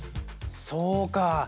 そうか！